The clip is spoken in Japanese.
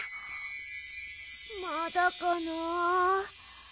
まだかな。